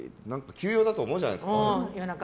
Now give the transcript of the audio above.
急用だと思うじゃないですか。